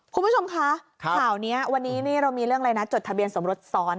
คุณผู้ชมคะข่าวนี้วันนี้เรามีเรื่องอะไรนะจดทะเบียนสมรสซ้อน